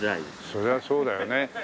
そりゃそうだよね。